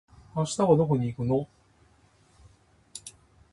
明日はどこに行くの？